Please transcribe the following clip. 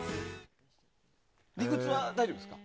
理屈は大丈夫ですか？